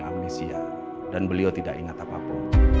amnesia dan beliau tidak ingat apa apa